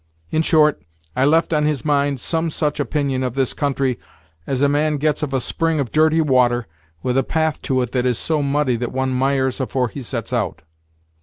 In short, I left on his mind some such opinion of this country, as a man gets of a spring of dirty water, with a path to it that is so muddy that one mires afore he sets out.